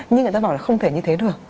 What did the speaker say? nhưng người ta bảo là không thể như thế được